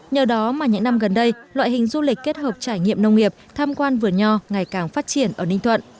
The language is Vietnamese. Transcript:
nhờ đó mà những năm gần đây loại hình du lịch kết hợp trải nghiệm nông nghiệp tham quan vườn nho ngày càng phát triển ở ninh thuận